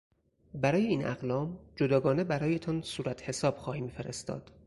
برای این اقلام جداگانه برایتان صورت حساب خواهیم فرستاد.